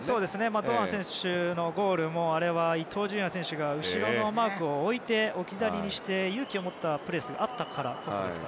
堂安選手のゴールもあれは伊東純也選手が後ろのマークを置き去りにして勇気を持ったプレスがあったからこそなので。